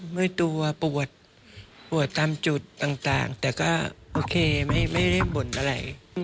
เมื่อยตัวปวดปวดตามจุดต่างแต่ก็โอเคไม่ได้บ่นอะไร